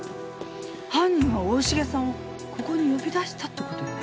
犯人は大重さんをここに呼び出したって事よね？